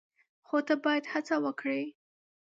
خو ته باید هڅه وکړې !